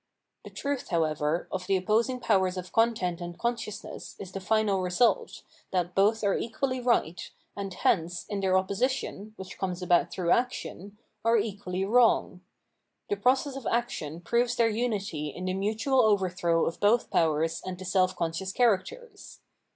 The truth, however, of the opposing powers of content and consciousness is the final resultj that both are equally right, and, hence, in their opposition (which comes about through action) are equally wrong. The process of action proves their unity in the mutual over throw of both powers and the self conscious characters.